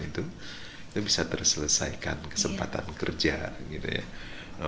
itu bisa terselesaikan kesempatan kerja gitu ya